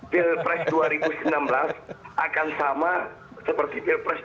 pilpres dua ribu sembilan belas akan sama seperti pilpres dua ribu